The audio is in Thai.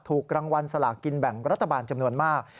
ถูกรางวัลสลากินแบ่งรัฐบาลจำนวนมาก